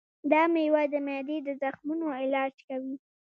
دا مېوه د معدې د زخمونو علاج کوي.